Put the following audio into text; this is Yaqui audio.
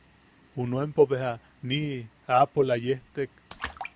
Junuenpo beja niʼi aapola yejtek.